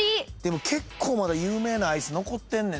結構まだ有名なアイス残ってんねんな。